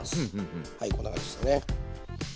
はいこんな感じですかね。